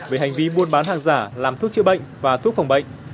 về hành vi buôn bán hàng giả làm thuốc chữa bệnh và thuốc phòng bệnh